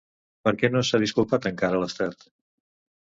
Per què no s'ha disculpat encara, l'estat?